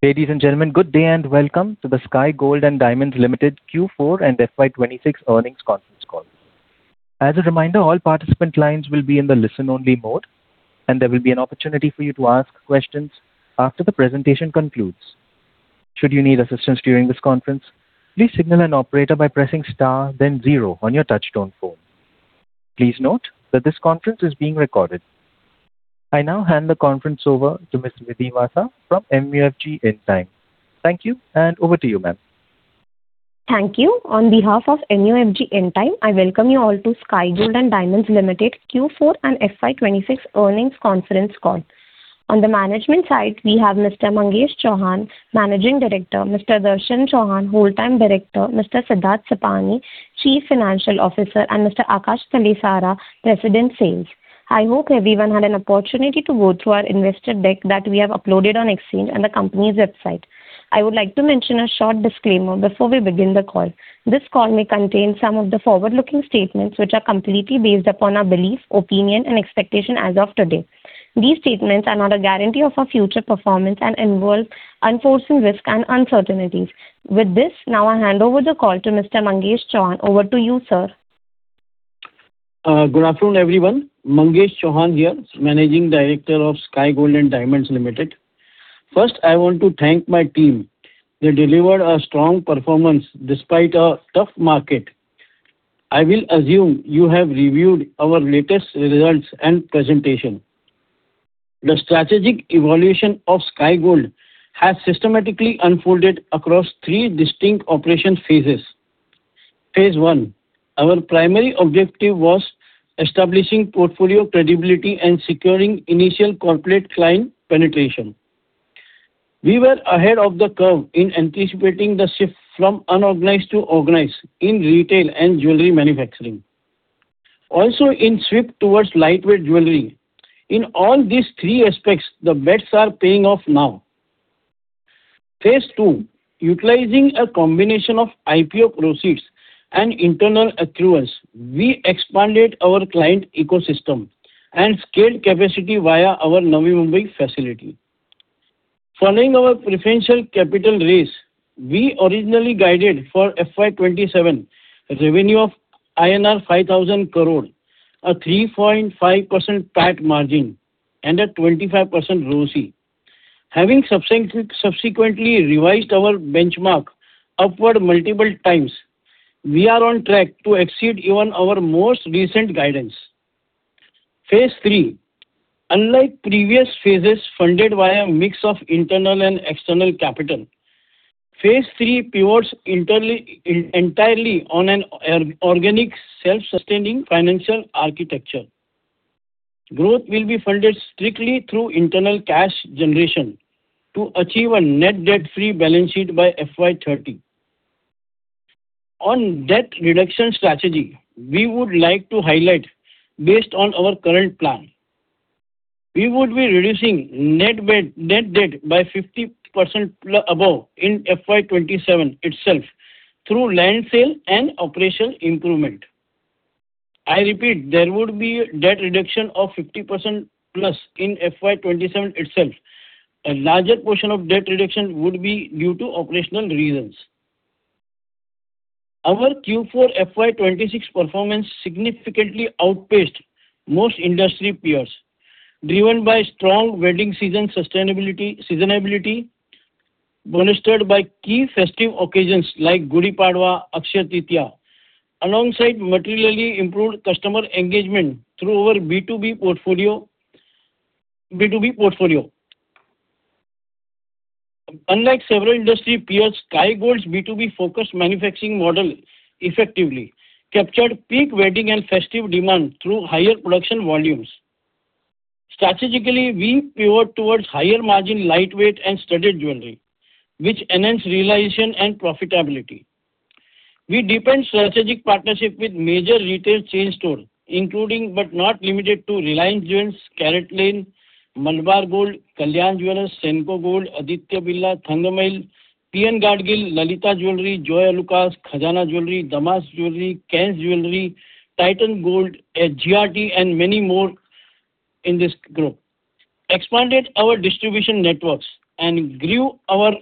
Ladies and gentlemen, good day and welcome to the Sky Gold & Diamonds Limited Q4 and FY 2026 earnings conference call. As a reminder, all participant lines will be in the listen-only mode, and there will be an opportunity for you to ask questions after the presentation concludes. Should you need assistance during this conference, please signal an operator by pressing star then zero on your touch-tone phone. Please note that this conference is being recorded. I now hand the conference over to Ms. Vidhi Vasa from MUFG Intime. Thank you, and over to you, ma'am. Thank you. On behalf of MUFG Intime, I welcome you all to Sky Gold & Diamonds Limited Q4 and FY 2026 earnings conference call. On the management side, we have Mr. Mangesh Chauhan, Managing Director, Mr. Darshan Chauhan, Whole-time Director, Mr. Siddharth Sipani, Chief Financial Officer, and Mr. Akash Talesara, President Sales. I hope everyone had an opportunity to go through our investor deck that we have uploaded on Exchange and the company's website. I would like to mention a short disclaimer before we begin the call. This call may contain some of the forward-looking statements, which are completely based upon our belief, opinion, and expectation as of today. These statements are not a guarantee of our future performance and involve unforeseen risks and uncertainties. With this, now I hand over the call to Mr. Mangesh Chauhan. Over to you, sir. Good afternoon, everyone. Mangesh Chauhan here, Managing Director of Sky Gold & Diamonds Limited. I want to thank my team. They delivered a strong performance despite a tough market. I will assume you have reviewed our latest results and presentation. The strategic evaluation of Sky Gold has systematically unfolded across three distinct operation phases. Phase I, our primary objective was establishing portfolio credibility and securing initial corporate client penetration. We were ahead of the curve in anticipating the shift from unorganized to organized in retail and jewelry manufacturing. Also in shift towards lightweight jewelry. In all these three aspects, the bets are paying off now. Phase II, utilizing a combination of IPO proceeds and internal accruals, we expanded our client ecosystem and scaled capacity via our Navi Mumbai facility. Following our preferential capital raise, we originally guided for FY 2027 revenue of INR 5,000 crores, a 3.5% PAT margin and a 25% ROCE. Having subsequently revised our benchmark upward multiple times, we are on track to exceed even our most recent guidance. Phase III. Unlike previous phases funded by a mix of internal and external capital, phase III pivots entirely on an organic, self-sustaining financial architecture. Growth will be funded strictly through internal cash generation to achieve a net debt-free balance sheet by FY 2030. On debt reduction strategy, we would like to highlight based on our current plan. We would be reducing net debt by 50% above in FY 2027 itself through land sale and operational improvement. I repeat, there would be debt reduction of 50% plus in FY 2027 itself. A larger portion of debt reduction would be due to operational reasons. Our Q4 FY 2026 performance significantly outpaced most industry peers, driven by strong wedding season seasonality, bolstered by key festive occasions like Gudi Padwa, Akshaya Tritiya, alongside materially improved customer engagement through our B2B portfolio. Unlike several industry peers, Sky Gold's B2B-focused manufacturing model effectively captured peak wedding and festive demand through higher production volumes. Strategically, we pivot towards higher margin lightweight and studded jewelry, which enhance realization and profitability. We deepened strategic partnership with major retail chain store, including, but not limited to Reliance Jewels, CaratLane, Malabar Gold, Kalyan Jewellers, Senco Gold, Aditya Birla, Thangamayil Jewellery, P. N. Gadgil, Lalithaa Jewellery, Joyalukkas, Khazana Jewellery, Damas Jewellery, Kanz Jewelry, Titan, GRT, and many more in this group. Expanded our distribution networks and grew our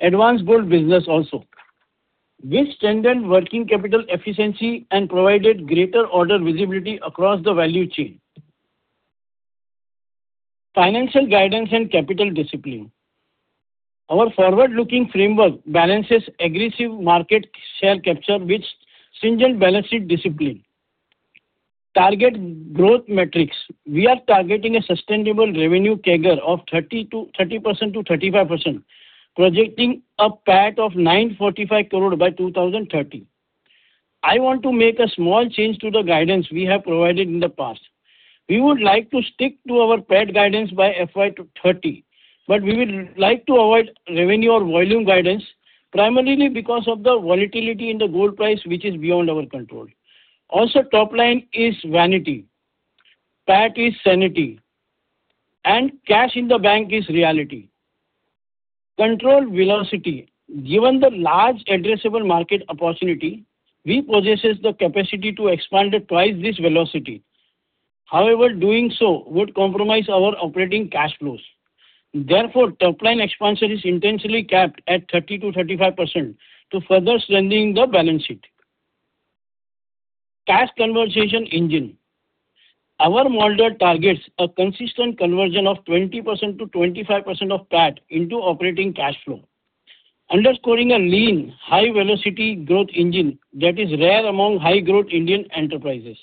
advanced gold business also, which strengthened working capital efficiency and provided greater order visibility across the value chain. Financial guidance and capital discipline. Our forward-looking framework balances aggressive market share capture with stringent balance sheet discipline. Target growth metrics. We are targeting a sustainable revenue CAGR of 30%-35%, projecting a PAT of 945 crore by 2030. I want to make a small change to the guidance we have provided in the past. We would like to stick to our PAT guidance by FY 2030, we would like to avoid revenue or volume guidance, primarily because of the volatility in the gold price which is beyond our control. Top line is vanity, PAT is sanity, and cash in the bank is reality. Control velocity. Given the large addressable market opportunity, we possess the capacity to expand at twice this velocity. Doing so would compromise our operating cash flows. Top-line expansion is intentionally capped at 30%-35% to further strengthening the balance sheet. Cash conversion engine. Our model targets a consistent conversion of 20%-25% of PAT into operating cash flow, underscoring a lean, high-velocity growth engine that is rare among high-growth Indian enterprises.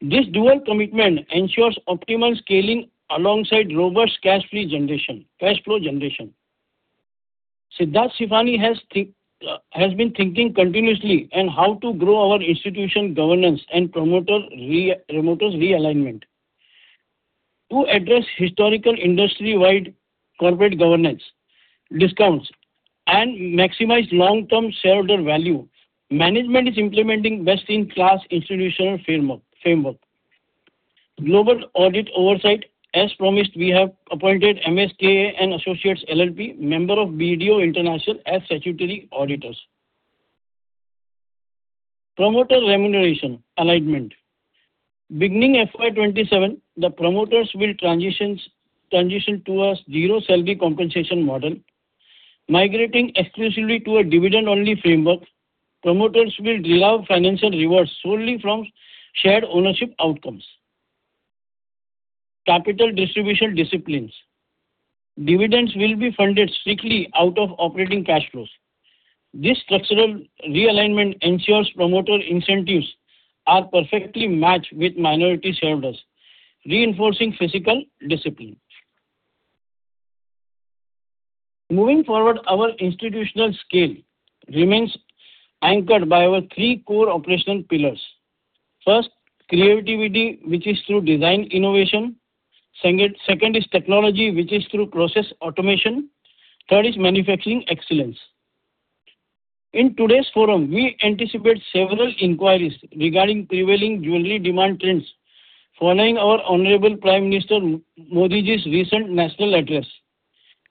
This dual commitment ensures optimal scaling alongside robust cash flow generation. Siddharth Sipani has been thinking continuously on how to grow our institution governance and promoter realignment. To address historical industry-wide corporate governance discounts and maximize long-term shareholder value, management is implementing best-in-class institutional framework. Global audit oversight. As promised, we have appointed MSKA & Associates LLP, member of BDO International, as statutory auditors. Promoter remuneration alignment. Beginning FY 2027, the promoters will transition to a zero-salary compensation model, migrating exclusively to a dividend-only framework. Promoters will derive financial rewards solely from shared ownership outcomes. Capital distribution disciplines. Dividends will be funded strictly out of operating cash flows. This structural realignment ensures promoter incentives are perfectly matched with minority shareholders, reinforcing fiscal discipline. Moving forward, our institutional scale remains anchored by our three core operational pillars. First, creativity, which is through design innovation. Second is technology, which is through process automation. Third is manufacturing excellence. In today's forum, we anticipate several inquiries regarding prevailing jewelry demand trends following our Honorable Prime Minister Modi's recent national address.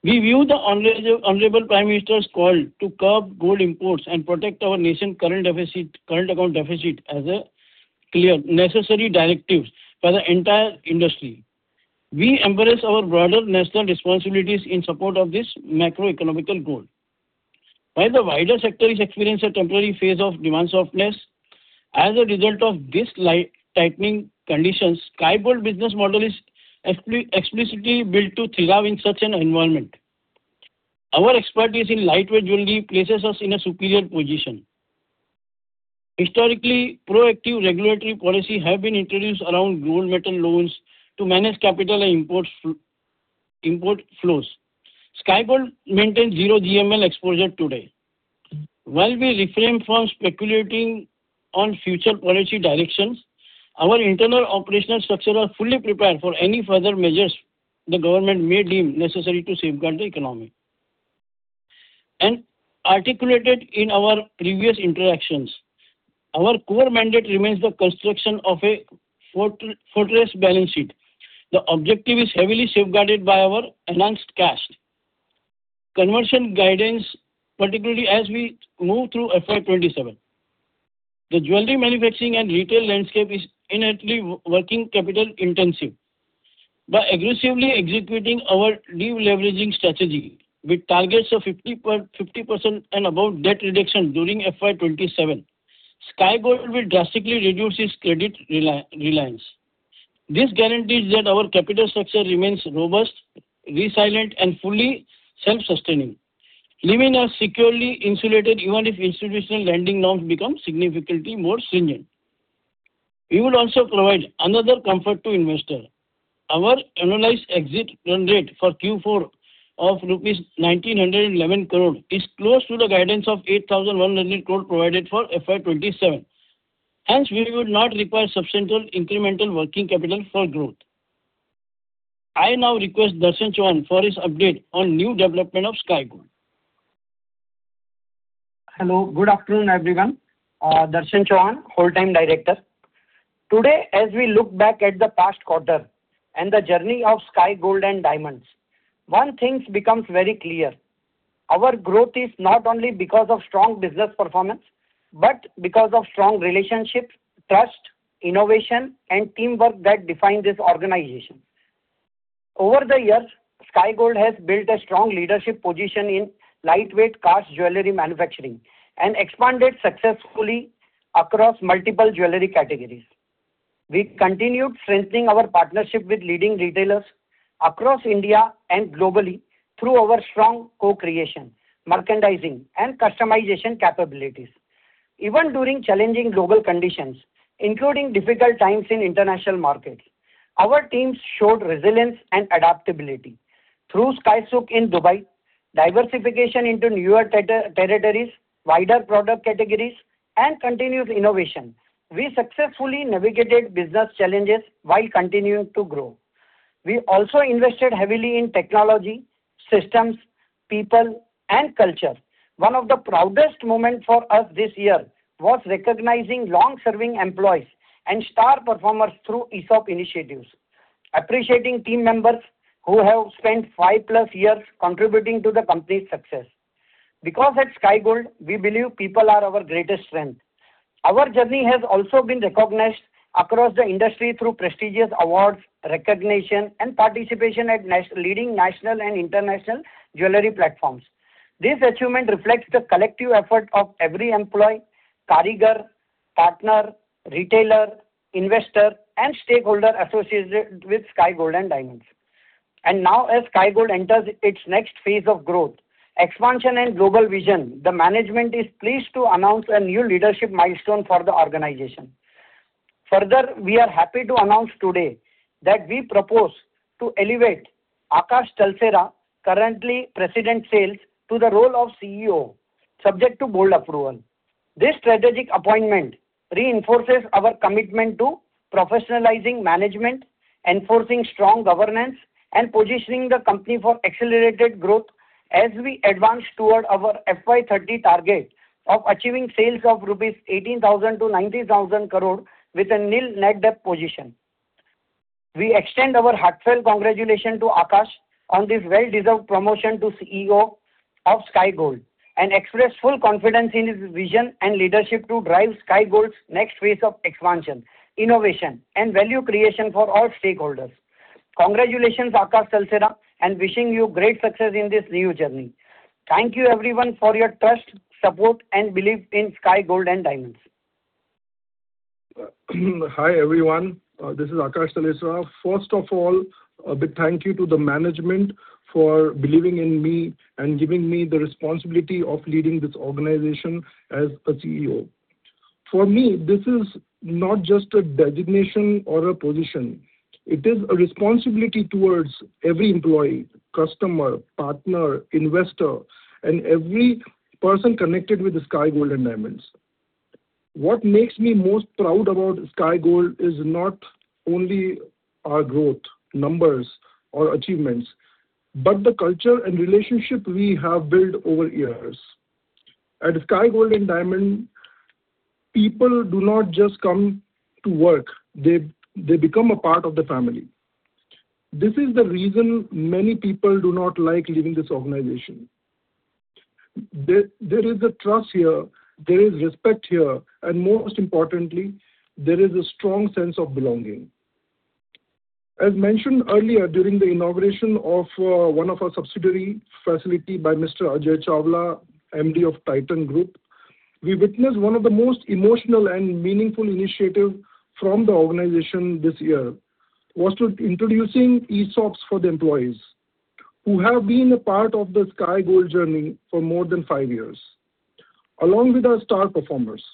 We view the Honorable Prime Minister's call to curb gold imports and protect our nation current account deficit as a clear necessary directive for the entire industry. We embrace our broader national responsibilities in support of this macroeconomic goal. While the wider sector is experiencing a temporary phase of demand softness as a result of these tightening conditions, Sky Gold business model is explicitly built to thrive in such an environment. Our expertise in lightweight jewelry places us in a superior position. Historically, proactive regulatory policies have been introduced around Gold Metal Loans to manage capital and import flows. Sky Gold maintains zero GML exposure today. While we refrain from speculating on future policy directions, our internal operational structures are fully prepared for any further measures the government may deem necessary to safeguard the economy. Articulated in our previous interactions, our core mandate remains the construction of a fortress balance sheet. The objective is heavily safeguarded by our enhanced cash conversion guidance, particularly as we move through FY 2027. The jewelry manufacturing and retail landscape is innately working capital intensive. By aggressively executing our de-leveraging strategy with targets of 50% and above debt reduction during FY 2027, Sky Gold will drastically reduce its credit reliance. This guarantees that our capital structure remains robust, resilient, and fully self-sustaining, leaving us securely insulated even if institutional lending norms become significantly more stringent. We would also provide another comfort to investors. Our annualized exit run rate for Q4 of rupees 1,911 crore is close to the guidance of 8,100 crore provided for FY 2027. Hence, we would not require substantial incremental working capital for growth. I now request Darshan Chauhan for his update on new development of Sky Gold. Hello, good afternoon, everyone. Darshan Chauhan, Whole-time Director. Today, as we look back at the past quarter and the journey of Sky Gold & Diamonds, one thing becomes very clear. Our growth is not only because of strong business performance, but because of strong relationships, trust, innovation, and teamwork that define this organization. Over the years, Sky Gold has built a strong leadership position in lightweight cast jewelry manufacturing and expanded successfully across multiple jewelry categories. We continued strengthening our partnership with leading retailers across India and globally through our strong co-creation, merchandising, and customization capabilities. Even during challenging global conditions, including difficult times in international markets, our teams showed resilience and adaptability. Through Sky Souk in Dubai, diversification into newer territories, wider product categories, and continuous innovation, we successfully navigated business challenges while continuing to grow. We also invested heavily in technology, systems, people, and culture. One of the proudest moment for us this year was recognizing long-serving employees and star performers through ESOP initiatives, appreciating team members who have spent five-plus years contributing to the company's success. At Sky Gold, we believe people are our greatest strength. Our journey has also been recognized across the industry through prestigious awards, recognition, and participation at leading national and international jewelry platforms. This achievement reflects the collective effort of every employee, karigar, partner, retailer, investor, and stakeholder associated with Sky Gold & Diamonds. Now, as Sky Gold enters its next phase of growth, expansion, and global vision, the management is pleased to announce a new leadership milestone for the organization. We are happy to announce today that we propose to elevate Akash Talesara, currently President Sales, to the role of CEO, subject to board approval. This strategic appointment reinforces our commitment to professionalizing management, enforcing strong governance, and positioning the company for accelerated growth as we advance toward our FY 2030 target of achieving sales of 18,000 crore-19,000 crore rupees with a nil net debt position. We extend our heartfelt congratulations to Akash on this well-deserved promotion to CEO of Sky Gold and express full confidence in his vision and leadership to drive Sky Gold's next phase of expansion, innovation, and value creation for all stakeholders. Congratulations, Akash Talesara, and wishing you great success in this new journey. Thank you everyone for your trust, support, and belief in Sky Gold & Diamonds. Hi, everyone. This is Akash Talesara. First of all, a big thank you to the management for believing in me and giving me the responsibility of leading this organization as a CEO. For me, this is not just a designation or a position, it is a responsibility towards every employee, customer, partner, investor, and every person connected with the Sky Gold & Diamonds. What makes me most proud about Sky Gold is not only our growth, numbers, or achievements, but the culture and relationship we have built over years. At Sky Gold & Diamond, people do not just come to work, they become a part of the family. This is the reason many people do not like leaving this organization. There is a trust here, there is respect here, and most importantly, there is a strong sense of belonging. As mentioned earlier during the inauguration of one of our subsidiary facility by Mr. Ajoy Chawla, MD, Titan Company Limited, we witnessed one of the most emotional and meaningful initiative from the organization this year, was to introducing ESOPs for the employees who have been a part of the Sky Gold journey for more than five years, along with our star performers.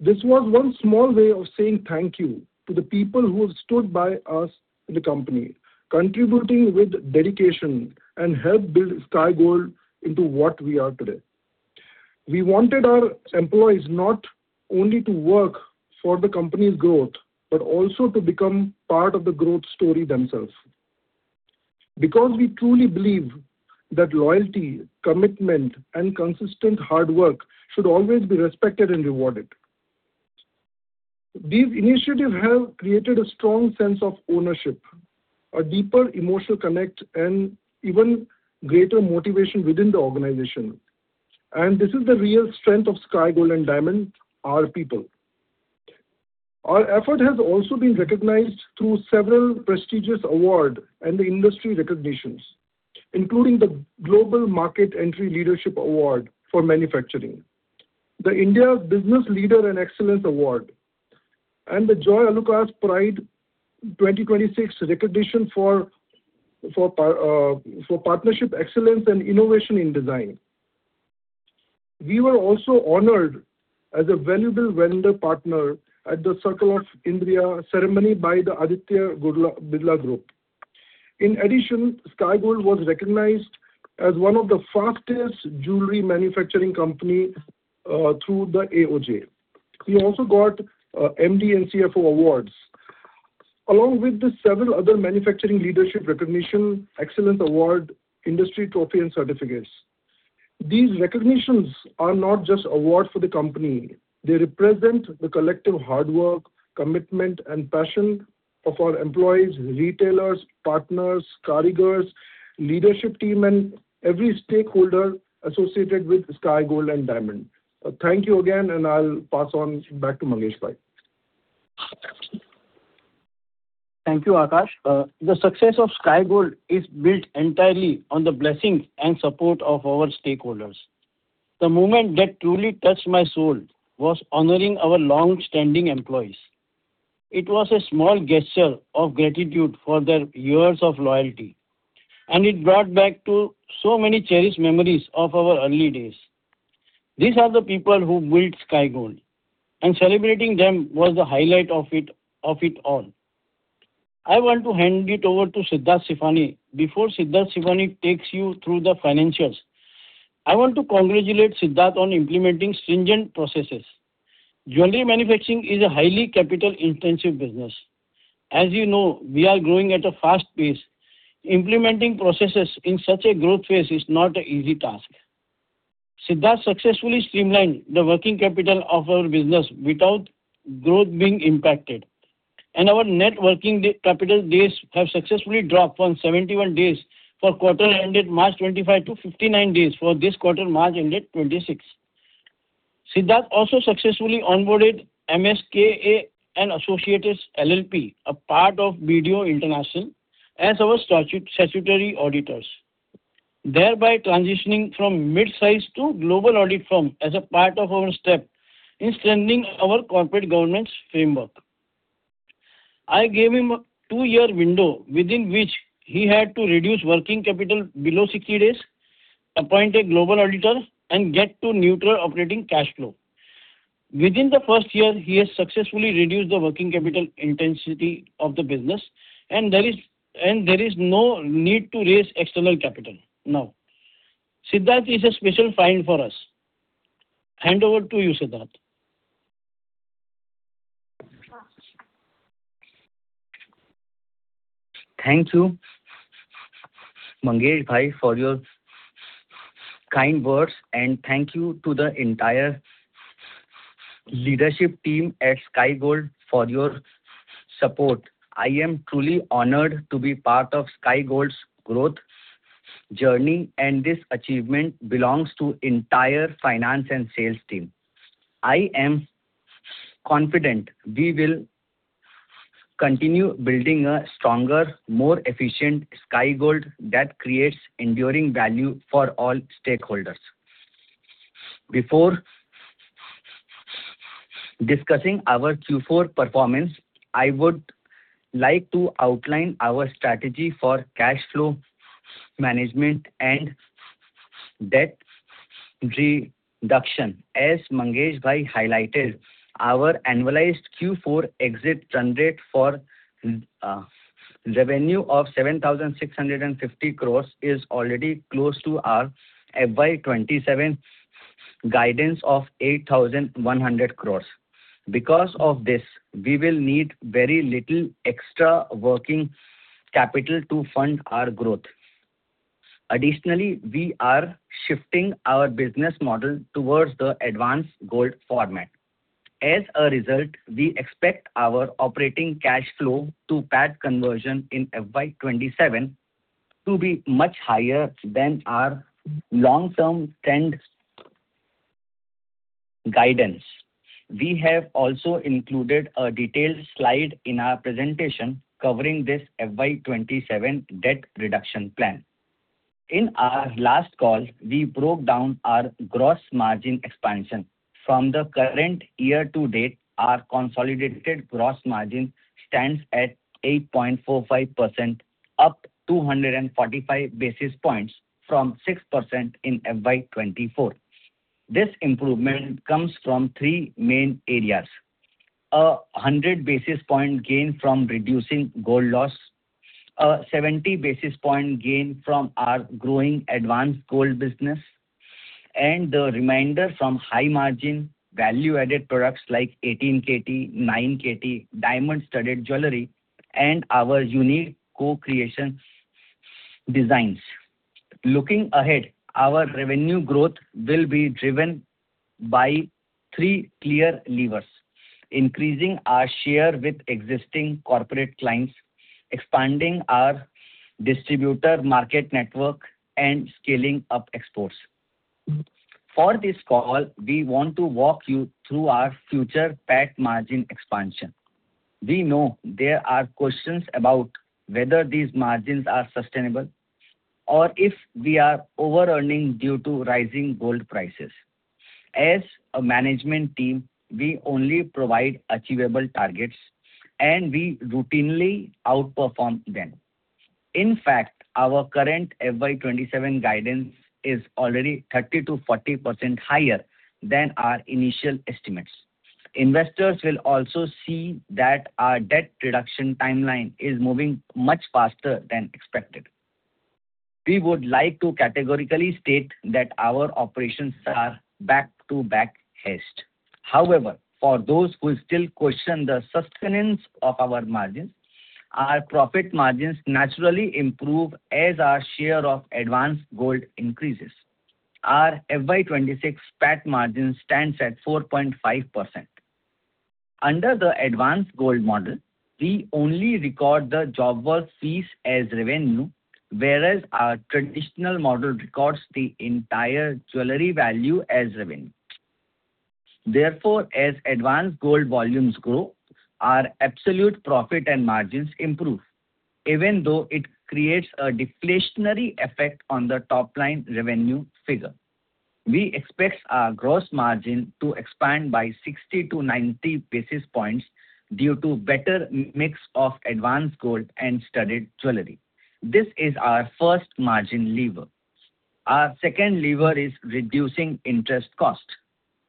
This was one small way of saying thank you to the people who have stood by us, the company, contributing with dedication and helped build Sky Gold into what we are today. We wanted our employees not only to work for the company's growth, but also to become part of the growth story themselves. We truly believe that loyalty, commitment, and consistent hard work should always be respected and rewarded. These initiatives have created a strong sense of ownership, a deeper emotional connect, and even greater motivation within the organization. This is the real strength of Sky Gold & Diamonds, our people. Our effort has also been recognized through several prestigious award and industry recognitions, including the Global Market Entry Leadership Award for manufacturing, the India Business Leader and Excellence Award, and the Joyalukkas Pride 2026 recognition for partnership excellence and innovation in design. We were also honored as a valuable vendor partner at the Circle of India ceremony by the Aditya Birla Group. Sky Gold was recognized as one of the fastest jewelry manufacturing company through the AOJ. We also got MD and CFO awards, along with the several other manufacturing leadership recognition, excellence award, industry trophy, and certificates. These recognitions are not just awards for the company. They represent the collective hard work, commitment, and passion of our employees, retailers, partners, karigars, leadership team, and every stakeholder associated with Sky Gold & Diamonds. Thank you again, and I'll pass on back to Mangesh Bhai. Thank you, Akash. The success of Sky Gold is built entirely on the blessings and support of our stakeholders. The moment that truly touched my soul was honoring our long-standing employees. It was a small gesture of gratitude for their years of loyalty, and it brought back to so many cherished memories of our early days. These are the people who built Sky Gold, and celebrating them was the highlight of it all. I want to hand it over to Siddharth Sipani. Before Siddharth Sipani takes you through the financials, I want to congratulate Siddharth on implementing stringent processes. Jewelry manufacturing is a highly capital-intensive business. As you know, we are growing at a fast pace. Implementing processes in such a growth phase is not an easy task. Siddharth successfully streamlined the working capital of our business without growth being impacted. Our net working capital days have successfully dropped from 71 days for quarter ended March 2025, to 59 days for this quarter, March ended 2026. Siddharth also successfully onboarded MSKA & Associates LLP, a part of BDO International, as our statutory auditors, thereby transitioning from mid-size to global audit firm as a part of our step in strengthening our corporate governance framework. I gave him a two-year window within which he had to reduce working capital below 60 days, appoint a global auditor and get to neutral operating cash flow. Within the first year, he has successfully reduced the working capital intensity of the business and there is no need to raise external capital now. Siddharth is a special find for us. Hand over to you, Siddharth. Thank you, Mangesh Bhai, for your kind words and thank you to the entire leadership team at Sky Gold for your support. I am truly honored to be part of Sky Gold's growth journey and this achievement belongs to entire finance and sales team. I am confident we will continue building a stronger, more efficient Sky Gold that creates enduring value for all stakeholders. Before discussing our Q4 performance, I would like to outline our strategy for cash flow management and debt reduction. As Mangesh Bhai highlighted, our annualized Q4 exit run rate for revenue of 7,650 crore is already close to our FY 2027 guidance of 8,100 crore. Because of this, we will need very little extra working capital to fund our growth. Additionally, we are shifting our business model towards the advance gold format. As a result, we expect our operating cash flow to PAT conversion in FY 2027 to be much higher than our long-term trend guidance. We have also included a detailed slide in our presentation covering this FY 2027 debt reduction plan. In our last call, we broke down our gross margin expansion. From the current year-to-date, our consolidated gross margin stands at 8.45%, up 245 basis points from 6% in FY 2024. This improvement comes from three main areas. A 100 basis point gain from reducing gold loss, a 70 basis point gain from our growing advance gold business and the remainder from high margin value-added products like 18KT, 9KT diamond-studded jewelry and our unique co-creation designs. Looking ahead, our revenue growth will be driven by three clear levers. Increasing our share with existing corporate clients, expanding our distributor market network, and scaling up exports. For this call, we want to walk you through our future PAT margin expansion. We know there are questions about whether these margins are sustainable or if we are over-earning due to rising gold prices. As a management team, we only provide achievable targets and we routinely outperform them. In fact, our current FY 2027 guidance is already 30%-40% higher than our initial estimates. Investors will also see that our debt reduction timeline is moving much faster than expected. We would like to categorically state that our operations are back to back hedged. However, for those who still question the sustenance of our margins, our profit margins naturally improve as our share of advance gold increases. Our FY 2026 PAT margin stands at 4.5%. Under the advance gold model, we only record the job work fees as revenue, whereas our traditional model records the entire jewelry value as revenue. Therefore, as advance gold volumes grow, our absolute profit and margins improve. Even though it creates a deflationary effect on the top-line revenue figure. We expect our gross margin to expand by 60-90 basis points due to better mix of advance gold and studded jewelry. This is our first margin lever. Our second lever is reducing interest cost.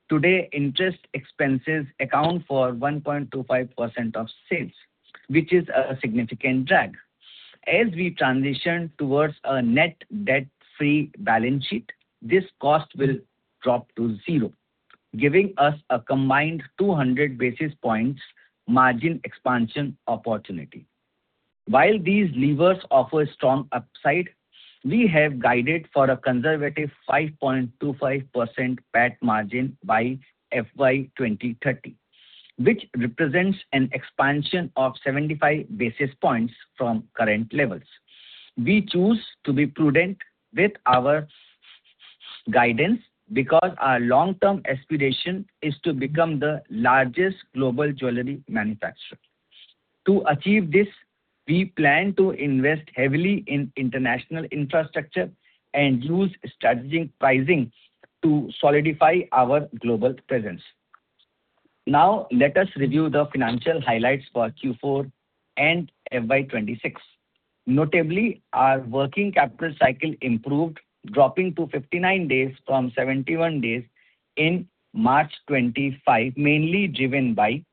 Today, interest expenses account for 1.25% of sales, which is a significant drag. As we transition towards a net debt-free balance sheet, this cost will drop to zero, giving us a combined 200 basis points margin expansion opportunity. While these levers offer strong upside, we have guided for a conservative 5.25% PAT margin by FY 2030, which represents an expansion of 75 basis points from current levels. We choose to be prudent with our guidance because our long-term aspiration is to become the largest global jewelry manufacturer. To achieve this, we plan to invest heavily in international infrastructure and use strategic pricing to solidify our global presence. Let us review the financial highlights for Q4 and FY 2026. Notably, our working capital cycle improved, dropping to 59 days from 71 days in March 2025, mainly driven by,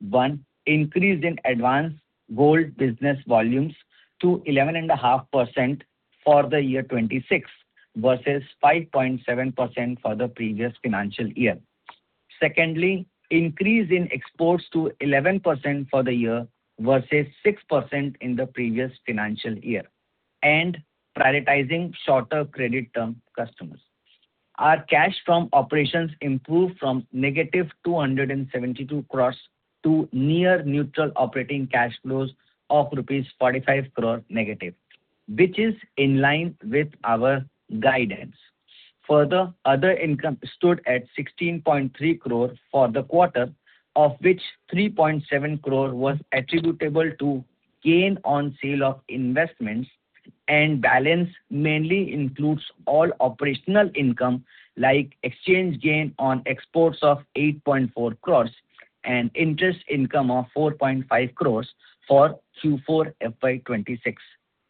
one, increase in advance gold business volumes to 11.5% for the year 2026 versus 5.7% for the previous financial year. Secondly, increase in exports to 11% for the year versus 6% in the previous financial year, and prioritizing shorter credit term customers. Our cash from operations improved from -272 crore to near neutral operating cash flows of rupees -45 crore, which is in line with our guidance. Further, other income stood at 16.3 crore for the quarter, of which 3.7 crore was attributable to gain on sale of investments, balance mainly includes all operational income, like exchange gain on exports of 8.4 crore and interest income of 4.5 crore for Q4 FY 2026.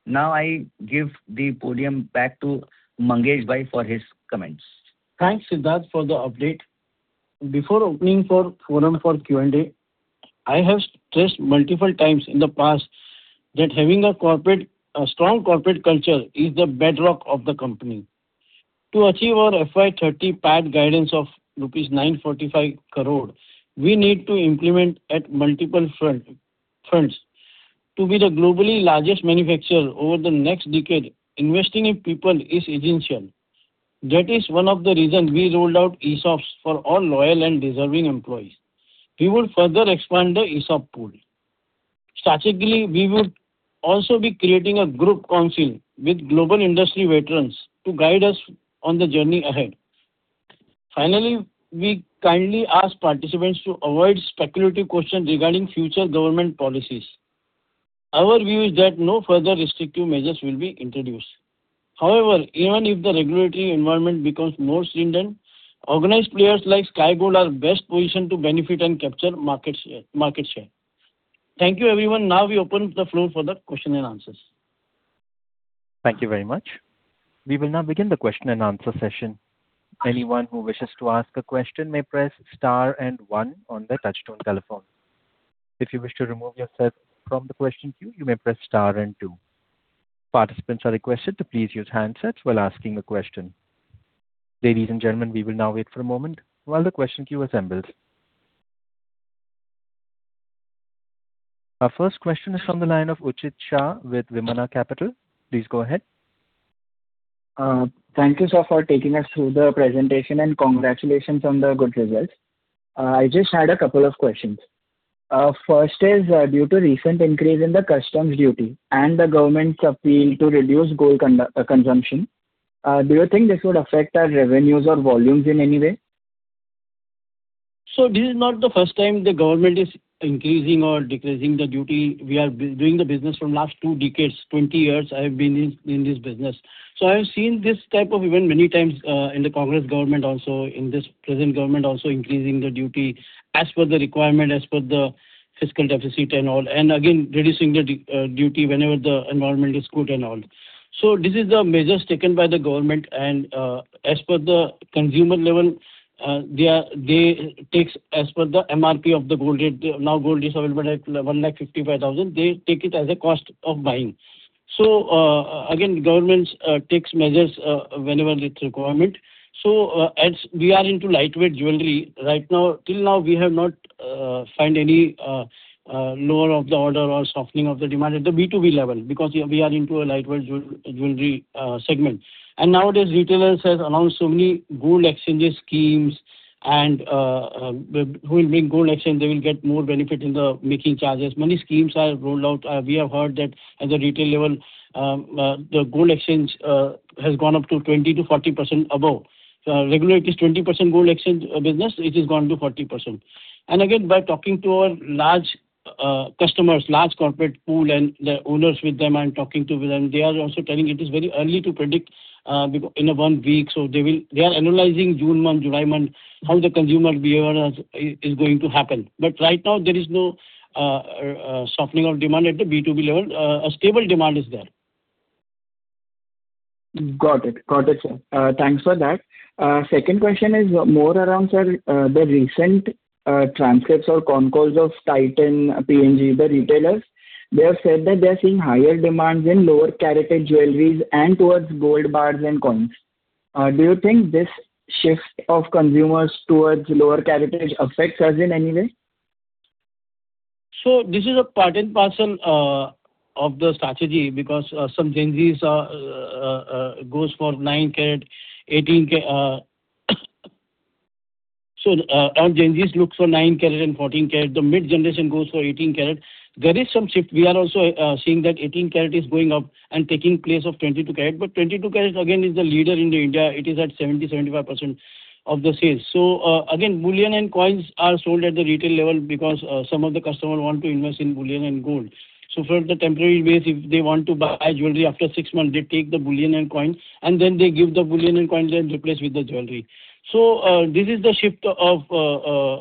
Now I give the podium back to Mangesh for his comments. Thanks, Siddharth, for the update. Before opening forum for Q&A, I have stressed multiple times in the past that having a strong corporate culture is the bedrock of the company. To achieve our FY 2030 PAT guidance of 945 crore rupees, we need to implement at multiple fronts. To be the globally largest manufacturer over the next decade, investing in people is essential. That is one of the reasons we rolled out ESOPs for all loyal and deserving employees. We will further expand the ESOP pool. Strategically, we would also be creating a group council with global industry veterans to guide us on the journey ahead. We kindly ask participants to avoid speculative questions regarding future government policies. Our view is that no further restrictive measures will be introduced. Even if the regulatory environment becomes more stringent, organized players like Sky Gold are best positioned to benefit and capture market share. Thank you, everyone. We open the floor for the question and answers. Thank you very much. We will now begin the question-and-answer session. Anyone who wishes to ask a question may press star and one on their touchtone telephone. If you wish to remove yourself from the question queue, you may press star and two. Participants are requested to please use handsets while asking a question. Ladies and gentlemen, we will now wait for a moment while the question queue assembles. Our first question is from the line of Uchit Shah with Vimana Capital. Please go ahead. Thank you, sir, for taking us through the presentation, and congratulations on the good results. I just had a couple of questions. First is, due to recent increase in the customs duty and the government's appeal to reduce gold consumption, do you think this would affect our revenues or volumes in any way? This is not the first time the government is increasing or decreasing the duty. We are doing the business from last two decades. 20 years I have been in this business. I have seen this type of event many times, in the Congress government also, in this present government also, increasing the duty as per the requirement, as per the fiscal deficit and all, and again, reducing the duty whenever the environment is good and all. This is the measures taken by the government, and as per the consumer level, they take as per the MRP of the gold rate. Now gold is available at 155,000. They take it as a cost of buying. Again, governments takes measures whenever it's requirement. As we are into lightweight jewelry right now, till now, we have not found any lower of the order or softening of the demand at the B2B level, because we are into a lightweight jewelry segment. Nowadays, retailers has announced so many gold exchange schemes and who will make gold exchange, they will get more benefit in the making charges. Many schemes are rolled out. We have heard that at the retail level, the gold exchange has gone up to 20%-40% above. Regular it is 20% gold exchange business, it has gone to 40%. Again, by talking to our large customers, large corporate pool and the owners with them and talking to them, they are also telling it is very early to predict in one week. They are analyzing June month, July month, how the consumer behavior is going to happen. Right now, there is no softening of demand at the B2B level. A stable demand is there. Got it, sir. Thanks for that. Second question is more around, sir, the recent transcripts or concalls of Titan, PNG, the retailers. They have said that they are seeing higher demands in lower caratage jewelries and towards gold bars and coins. Do you think this shift of consumers towards lower caratage affects us in any way? This is a part and parcel of the strategy because our Gen Zs look for nine carat and 14 carat. The mid generation goes for 18 carat. There is some shift. We are also seeing that 18 carat is going up and taking place of 22 carat, but 22 carat again is the leader in India. It is at 70%-75% of the sales. Again, bullion and coins are sold at the retail level because some of the customers want to invest in bullion and gold. For the temporary base, if they want to buy jewelry after six months, they take the bullion and coins, and then they give the bullion and coins and replace with the jewelry. This is the shift, the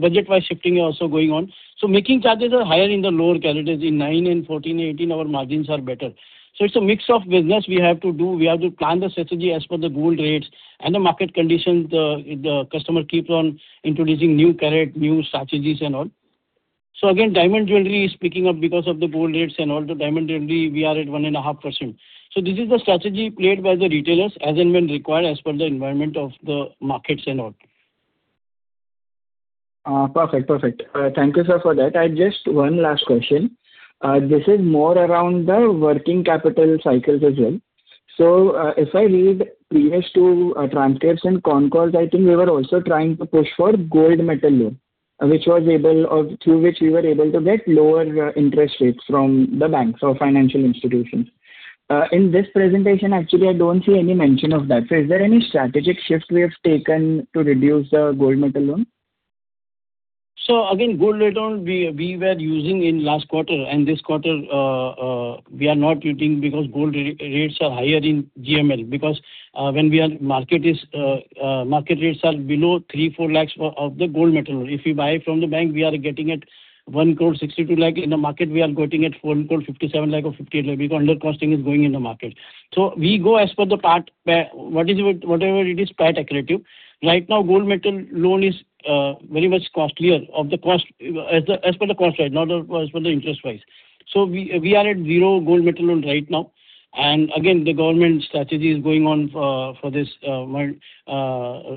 budget-wise shifting is also going on. Making charges are higher in the lower carats. In nine and 14 and 18, our margins are better. It's a mix of business we have to do. We have to plan the strategy as per the gold rates and the market conditions. The customer keep on introducing new carat, new strategies and all. Again, diamond jewelry is picking up because of the gold rates and all. The diamond jewelry, we are at 1.5%. This is the strategy played by the retailers as and when required, as per the environment of the markets and all. Perfect. Thank you, sir, for that. I've just one last question. This is more around the working capital cycles as well. If I read previous two transcripts and concalls, I think we were also trying to push for Gold Metal Loan, through which we were able to get lower interest rates from the banks or financial institutions. In this presentation, actually, I don't see any mention of that. Is there any strategic shift we have taken to reduce the Gold Metal Loan? Again, gold metal loan, we were using in last quarter and this quarter we are not using because gold rates are higher in GML because when market rates are below 3 lakh, 4 lakh of the gold metal. If we buy from the bank, we are getting at 1.62 crore. In the market, we are getting at 4.57 crore or 4.58 crore because undercosting is going in the market. We go as per the PAT, whatever it is, PAT accretive. Right now, Gold Metal Loan is very much costlier as per the cost, right now as per the interest price. We are at zero Gold Metal Loan right now. Again, the government strategy is going on for this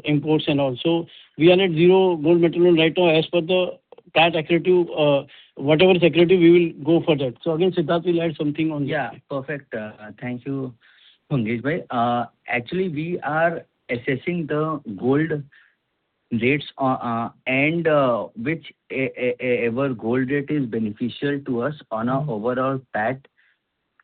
imports and all. We are at zero Gold Metal Loan right now as per the tax accretive. Whatever accretive, we will go for that. Again, Siddharth will add something on that. Yeah, perfect. Thank you, Mangesh Bhai. We are assessing the gold rates and whichever gold rate is beneficial to us on an overall PAT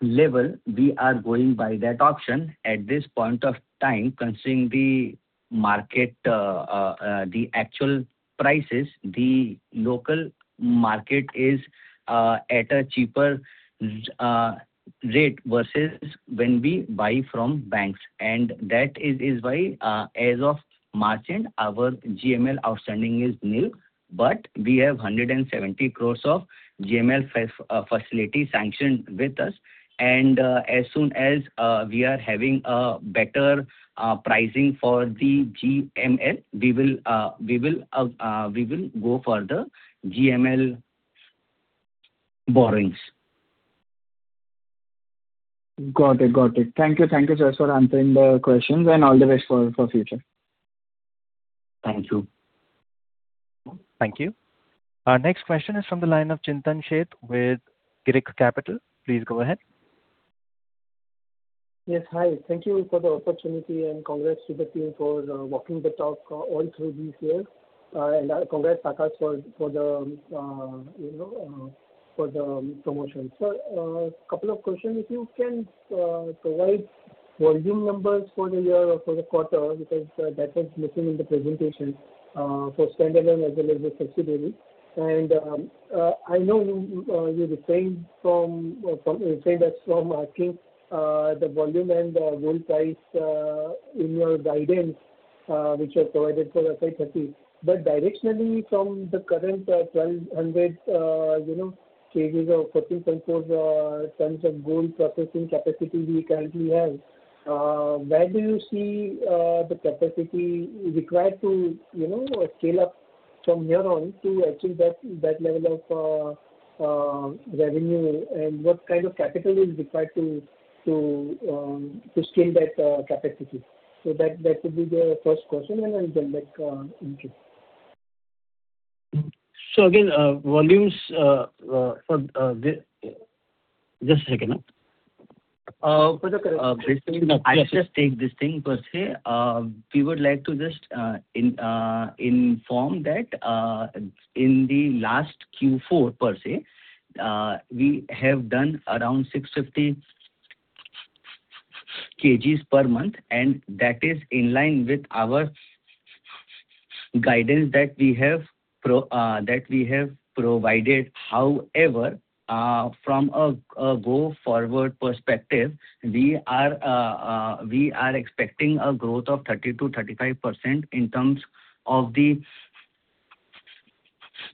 level, we are going by that option. At this point of time, considering the market, the actual prices, the local market is at a cheaper rate versus when we buy from banks. That is why, as of March end, our GML outstanding is nil. We have 170 crores of GML facility sanctioned with us, and as soon as we are having a better pricing for the GML, we will go for the GML borrowings. Got it. Thank you, sir, for answering the questions, and all the best for future. Thank you. Thank you. Our next question is from the line of Chintan Sheth with Girik Capital. Please go ahead. Yes, hi. Thank you for the opportunity and congrats to the team for walking the talk all through these years. Congrats, Akash, for the promotion. Sir, couple of questions. If you can provide volume numbers for the year or for the quarter, because that was missing in the presentation for standalone as well as the subsidiary. I know you refrain us from asking the volume and the gold price in your guidance which was provided for FY 2030. Directionally from the current 1,200 kgs or 40 tons of gold processing capacity we currently have, where do you see the capacity required to scale up from here on to achieve that level of revenue? What kind of capital is required to scale that capacity? That would be the first question, and I'll jump back on into. Just a second. For the- No, please. I just take this thing per se. We would like to just inform that in the last Q4 per se, we have done around 650 kg per month, and that is in line with our guidance that we have provided. However, from a go forward perspective, we are expecting a growth of 30%-35% in terms of the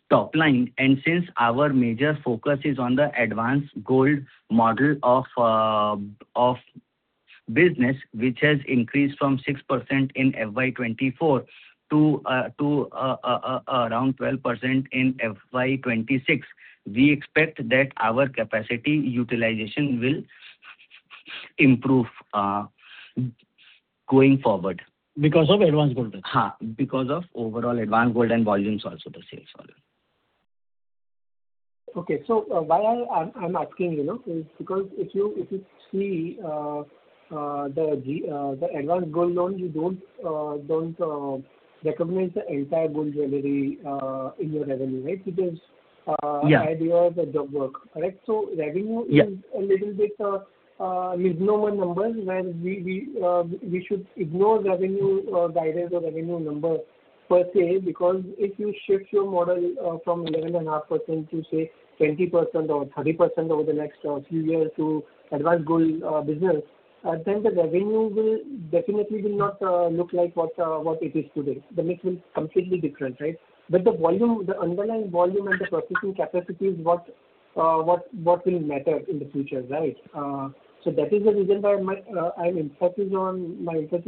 top line. Since our major focus is on the advanced gold model of business, which has increased from 6% in FY 2024 to around 12% in FY 2026, we expect that our capacity utilization will improve going forward. Because of advanced gold? Yes, because of overall advanced gold and volumes also, the sales volume. Okay. Why I'm asking is because if you see the advanced gold loan, you don't recognize the entire gold jewelry in your revenue, right? Yeah idea of the job work. Correct? revenue Yeah is a little bit misnomer number where we should ignore revenue guidance or revenue number per se, because if you shift your model from 11.5% to, say, 20% or 30% over the next few years to advanced gold business, then the revenue definitely will not look like what it is today. The mix will completely different, right? The volume, the underlying volume and the processing capacity is what will matter in the future, right? That is the reason why my emphasis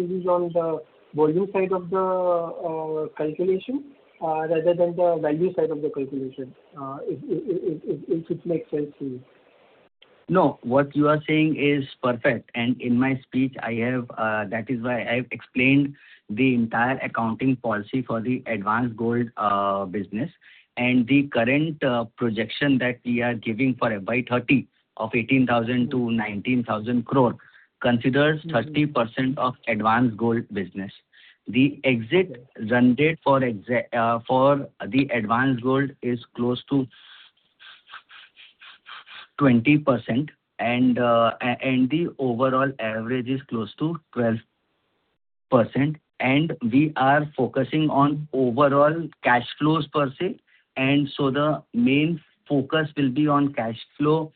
is on the volume side of the calculation rather than the value side of the calculation. If it makes sense to you. No, what you are saying is perfect, and in my speech, that is why I've explained the entire accounting policy for the advanced gold business. The current projection that we are giving for FY 2030 of 18,000 crore-19,000 crore considers 30% of advanced gold business. The exit run rate for the advanced gold is close to 20%, and the overall average is close to 12%. We are focusing on overall cash flows per se, and so the main focus will be on cash flow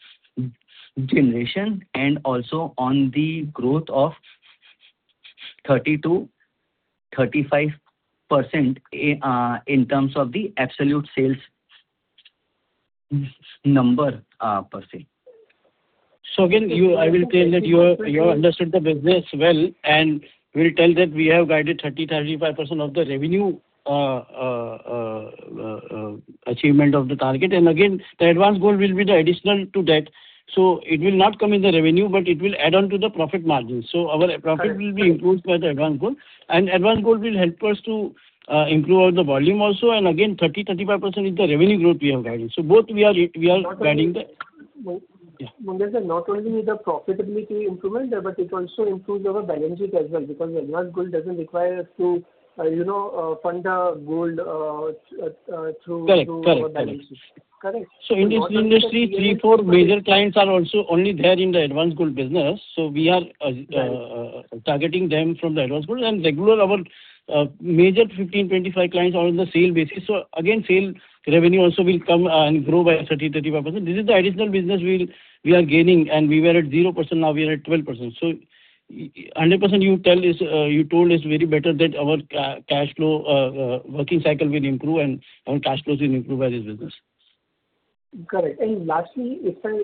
generation and also on the growth of 30%-35% in terms of the absolute sales number per se. Again, I will tell that you have understood the business well, and we'll tell that we have guided 30%-35% of the revenue achievement of the target. Again, the advanced gold will be the additional to that. It will not come in the revenue, but it will add on to the profit margin. Our profit will be improved by the advanced gold. Advanced gold will help us to improve the volume also. Again, 30%-35% is the revenue growth we have guided. Both we are planning the- Mangesh, not only will the profitability improvement, but it also improves our balances as well, because advanced gold doesn't require us to fund the gold. Correct. Correct? In this industry, three, four major clients are also only there in the advanced gold business. Right targeting them from the advanced gold and regular our major 15, 25 clients are on the sale basis. Again, sale revenue also will come and grow by 30%-35%. This is the additional business we are gaining, and we were at 0%, now we are at 12%. 100% you told is very better that our cash flow working cycle will improve and our cash flows will improve by this business. Correct. Lastly, if I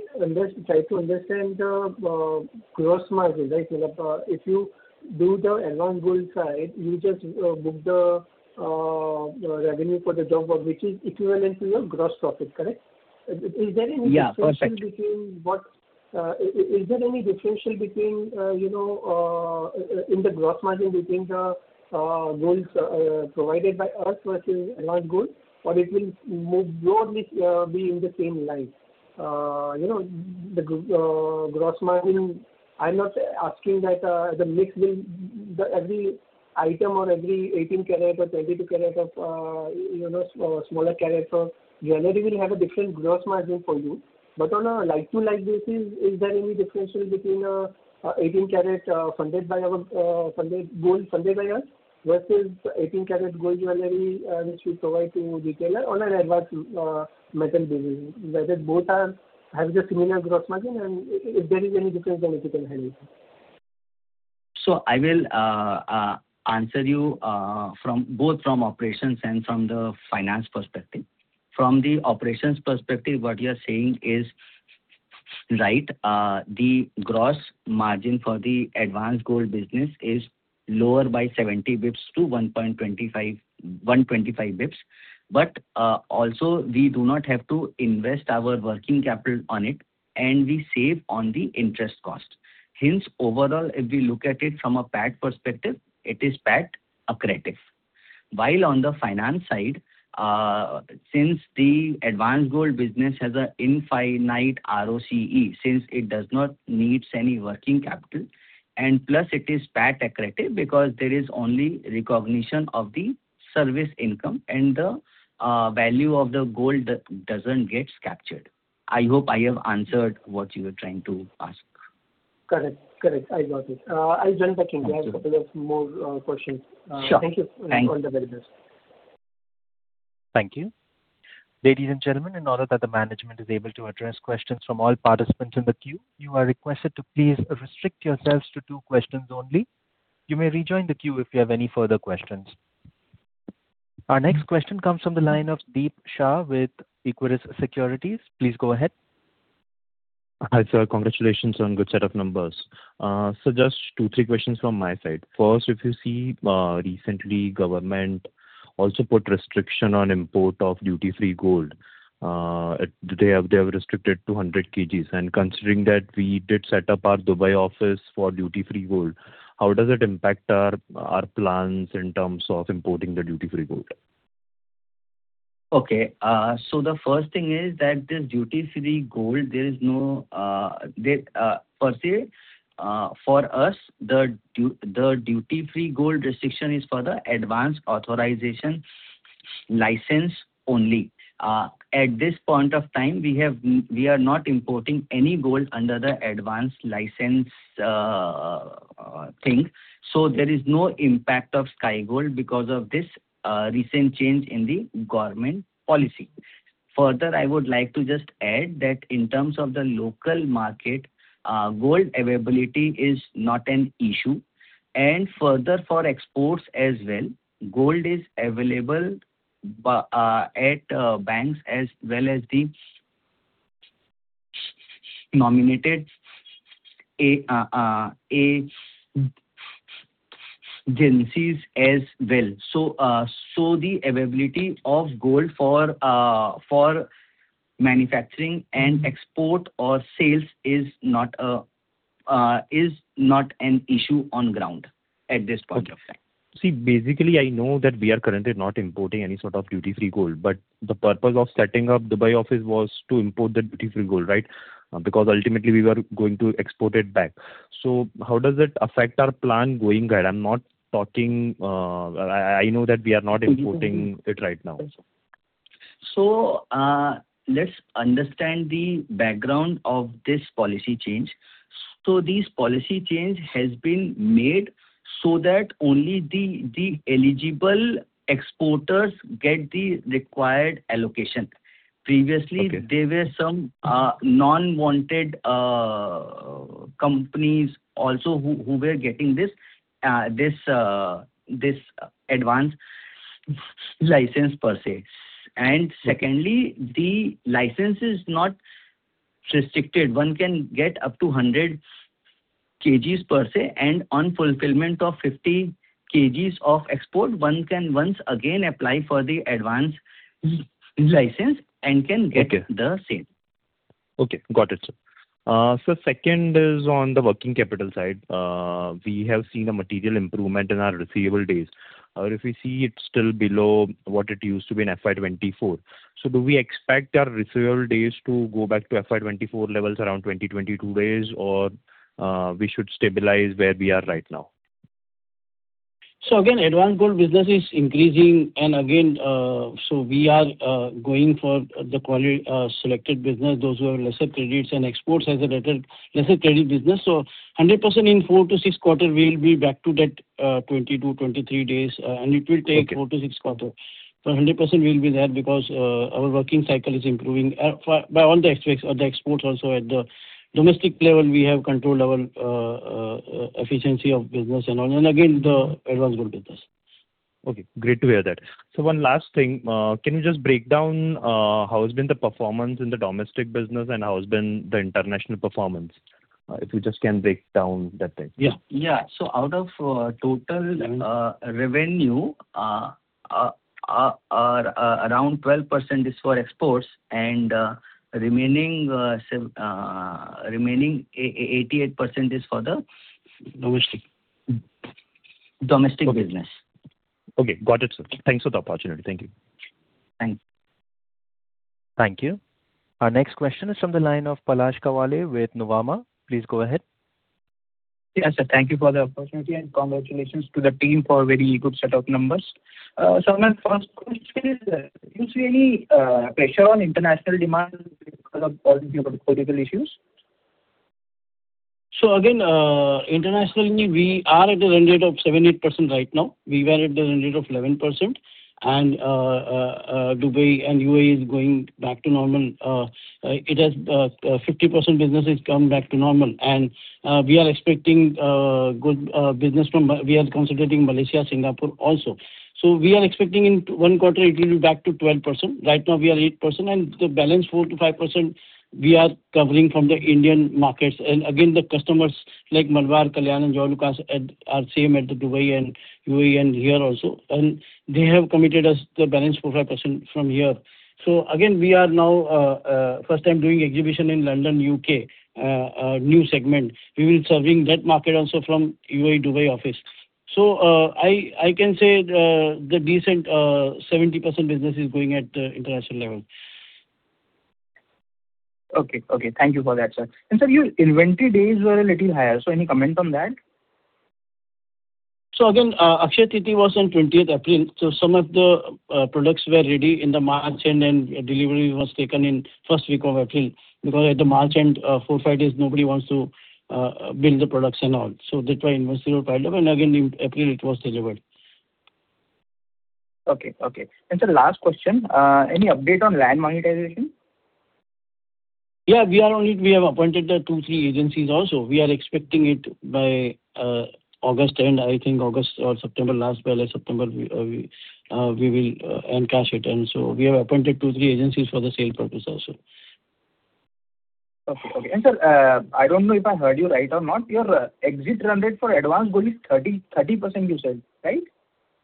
try to understand the gross margin. If you do the advanced gold side, you just book the revenue for the job work, which is equivalent to your gross profit, correct? Yeah, perfect. Is there any differential between in the gross margin between the golds provided by us versus advanced gold? It will more or less be in the same line? The gross margin, I'm not asking that the mix will Every item or every 18KT or 22KT of smaller carats of jewelry will have a different gross margin for you. On a like-to-like basis, is there any differential between 18KT gold funded by us versus 18KT gold jewelry which we provide to retailer on an advanced metal basis? Whether both have the similar gross margin and if there is any difference then if you can help me. I will answer you both from operations and from the finance perspective. From the operations perspective, what you are saying is right. The gross margin for the advanced gold business is lower by 70 basis points to 125 basis points. Also we do not have to invest our working capital on it, and we save on the interest cost. Hence, overall, if we look at it from a PAT perspective, it is PAT accretive. While on the finance side, since the advanced gold business has an infinite ROCE, since it does not need any working capital, and plus it is PAT accretive because there is only recognition of the service income and the value of the gold doesn't get captured. I hope I have answered what you were trying to ask. Correct. I got it. I will join back in. I have a couple of more questions. Sure. Thank you. Thank you. All the very best. Thank you. Ladies and gentlemen, in order that the management is able to address questions from all participants in the queue, you are requested to please restrict yourselves to two questions only. You may rejoin the queue if you have any further questions. Our next question comes from the line of Deep Shah with Equirus Securities. Please go ahead. Hi, sir. Congratulations on good set of numbers. Just two, three questions from my side. First, if you see recently government also put restriction on import of duty-free gold. They have restricted to 100 kg. Considering that we did set up our Dubai office for duty-free gold, how does it impact our plans in terms of importing the duty-free gold? The first thing is that this duty-free gold, for us, the duty-free gold restriction is for the Advance Authorisation Scheme only. At this point of time, we are not importing any gold under the advance license thing. There is no impact of Sky Gold because of this recent change in the government policy. Further, I would like to just add that in terms of the local market, gold availability is not an issue. Further, for exports as well, gold is available at banks as well as the nominated agencies as well. The availability of gold for manufacturing and export or sales is not an issue on ground at this point of time. See, basically, I know that we are currently not importing any sort of duty-free gold. The purpose of setting up Dubai office was to import that duty-free gold, right? Because ultimately we were going to export it back. How does it affect our plan going ahead? I know that we are not importing it right now. Let's understand the background of this policy change. This policy change has been made so that only the eligible exporters get the required allocation. Okay there were some non-wanted companies also who were getting this advance license per se. Secondly, the license is not restricted. One can get up to 100 kgs per se, and on fulfillment of 50 kgs of export, one can once again apply for the advance license and can get. Okay the same. Okay, got it, sir. Sir, second is on the working capital side. We have seen a material improvement in our receivable days. If we see it's still below what it used to be in FY 2024. Do we expect our receivable days to go back to FY 2024 levels around 20, 22 days or we should stabilize where we are right now? Again, advance gold business is increasing, and again, we are going for the selected business, those who have lesser credits and exports as a lesser credit business. 100% in 4-6 quarter, we'll be back to that 20-23 days. Okay 4-6quarter. 100% we'll be there because our working cycle is improving by all the exports also. At the domestic level, we have controlled our efficiency of business and all. Again, the advance gold business. Okay, great to hear that. One last thing. Can you just break down how has been the performance in the domestic business and how has been the international performance? If you just can break down that bit. Yeah. Out of total revenue, around 12% is for exports and remaining 88% is for. Domestic domestic business. Okay, got it, sir. Thanks for the opportunity. Thank you. Thanks. Thank you. Our next question is from the line of Palash Kawale with Nuvama. Please go ahead. Yes, sir. Thank you for the opportunity, congratulations to the team for a very good set of numbers. My first question is, do you see any pressure on international demand because of all the geopolitical issues? Internationally, we are at the revenue of 7%-8% right now. We were at the revenue of 11%, and Dubai and U.A.E. is going back to normal. 50% business has come back to normal. We are expecting good business. We are concentrating Malaysia, Singapore also. We are expecting in one quarter it will be back to 12%. Right now, we are 8%, and the balance 4%-5% we are covering from the Indian markets. The customers like Malabar, Kalyan, and Joyalukkas are same at the Dubai and UAE and here also. They have committed us the balance 4%-5% from here. We are now first time doing exhibition in London, U.K., a new segment. We will be serving that market also from UAE Dubai office. I can say the decent 70% business is going at international level. Okay. Thank you for that, sir. Sir, your inventory days were a little higher, any comment on that? Again, Akshaya Tritiya was on 20th April, so some of the products were ready in March, and then delivery was taken in first week of April. At the March end, four, five days, nobody wants to build the products and all. That's why inventory piled up, and again, in April it was delivered. Okay. Sir, last question. Any update on land monetization? Yeah. We have appointed the two, three agencies also. We are expecting it by August end. I think August or September last, by late September, we will encash it. We have appointed two, three agencies for the sale purpose also. Okay. Sir, I don't know if I heard you right or not. Your exit run rate for advanced gold is 30%, you said, right?